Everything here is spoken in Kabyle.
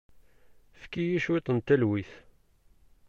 Efk-iyi cwiṭ n talwit.